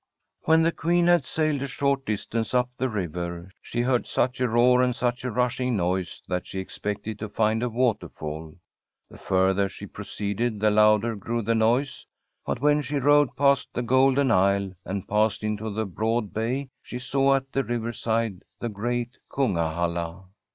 When the Queen had sailed a short distance up the river, she heard such a roar and such a rushing noise that she expected to find a water fall. The further she proceeded, the louder grew the noise. But when she rowed past the Golden Isle, and passed into a broad bay, she saw at the riverside the great Kungahalla.